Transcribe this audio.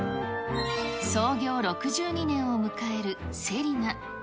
創業６２年を迎える瀬里奈。